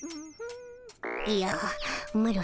いやマロ